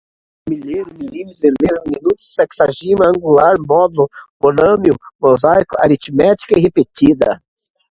milhar, milheiro, milímetro, milésima, minuto, sexagésima, angular, módulo, monômio, mosaico, aritmética, repetida